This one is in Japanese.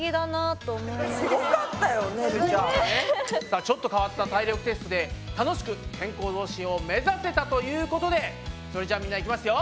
さあちょっと変わった体力テストで楽しく健康増進を目指せたということでそれじゃみんなでいきますよ。